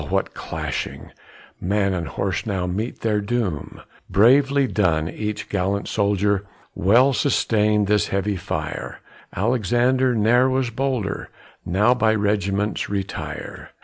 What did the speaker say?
what clashing, Man and horse now meet their doom; Bravely done! each gallant soldier Well sustained this heavy fire; Alexander ne'er was bolder; Now by regiments retire.